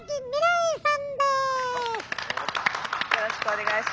「よろしくお願いします」。